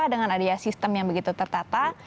dengan adanya sistem yang begitu tertata